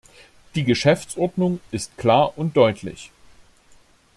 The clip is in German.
Die Geschäftsordnung ist klar und deutlich.